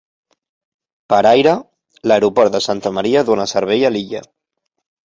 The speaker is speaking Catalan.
Per aire, l'aeroport de Santa Maria dona servei a l'illa.